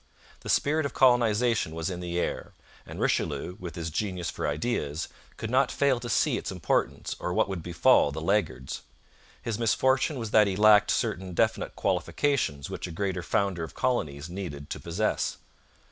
The spirit of colonization was in the air, and Richelieu, with his genius for ideas, could not fail to see its importance or what would befall the laggards. His misfortune was that he lacked certain definite qualifications which a greater founder of colonies needed to possess.